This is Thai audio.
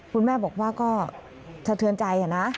คุณแม่บอกว่าก็สะเทือนใจนะ